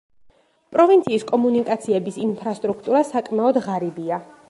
პროვინციის კომუნიკაციების ინფრასტრუქტურა საკმაოდ ღარიბია.